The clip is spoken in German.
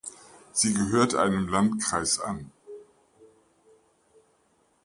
Sie gehört einem Landkreis an.